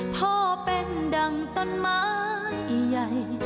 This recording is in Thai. พ่อเป็นดังต้นไม้ใหญ่